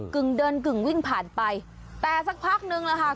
กึ่งเดินกึ่งวิ่งผ่านไปแต่สักพักนึงแหละค่ะ